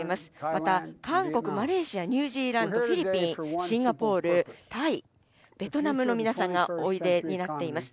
また、韓国、マレーシア、ニュージーランド、フィリピン、シンガポール、タイ、ベトナムの皆さんがおいでになっています。